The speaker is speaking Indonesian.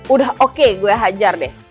udah oke gue hajar deh